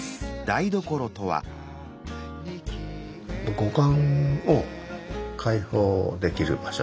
五感を解放できる場所というか。